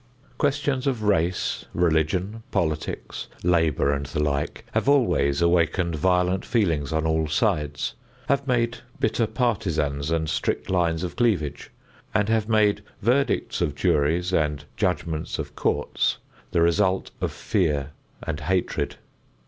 Questions of race, religion, politics, labor and the like have always awakened violent feelings on all sides, have made bitter partisans and strict lines of cleavage, and have made verdicts of juries and judgments of courts the result of fear and hatred.